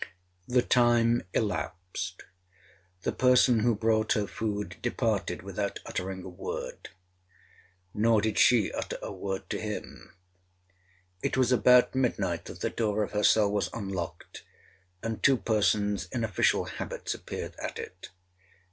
'The time elapsed. The person who brought her food departed without uttering a word; nor did she utter a word to him. It was about midnight that the door of her cell was unlocked, and two persons in official habits appeared at it.